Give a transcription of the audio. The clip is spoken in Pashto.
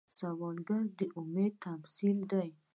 سوالګر د امید تمثیل دی